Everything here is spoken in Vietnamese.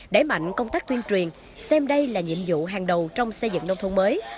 đẩy mạnh công tác tuyên truyền xem đây là nhiệm vụ hàng đầu trong xây dựng nông thôn mới